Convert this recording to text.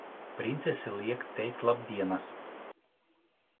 Princese liek teikt labdienas!